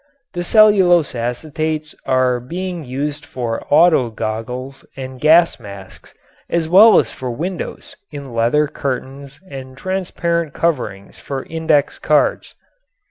The cellulose acetates are being used for auto goggles and gas masks as well as for windows in leather curtains and transparent coverings for index cards.